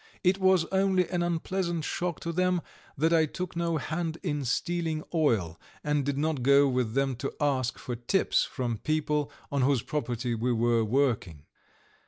It was only an unpleasant shock to them that I took no hand in stealing oil and did not go with them to ask for tips from people on whose property we were working.